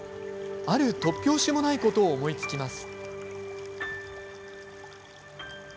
ある突拍子もないことを思いつきます。